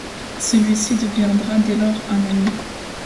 Celui-ci deviendra dès lors un ami.